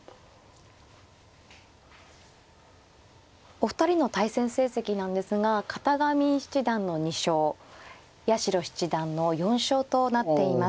お二人の対戦成績なんですが片上七段の２勝八代七段の４勝となっています。